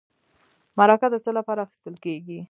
مرکه د څه لپاره اخیستل کیږي؟